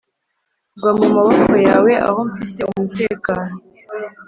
gwa mu maboko yawe aho nfite umutekano